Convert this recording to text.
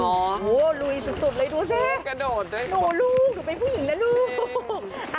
โอ้โฮลูกหนูเป็นผู้หญิงนะลูก